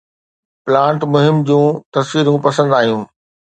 plant مهم جون تصويرون پسند آيون